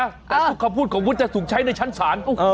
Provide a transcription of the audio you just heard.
แต่ทุกคำพูดของวุฒิจะถูกใช้ในชั้นศาล